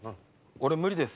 俺無理です。